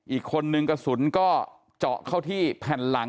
อีกคนนึงกระสุนก็เจาะเข้าที่แผ่นหลัง